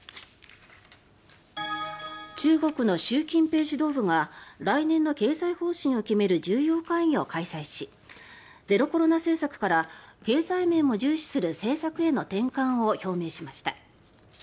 中国の習近平指導部が来年の経済方針を決める重要会議を開催しゼロコロナ政策から経済面も重視する政策への転換を表明しました。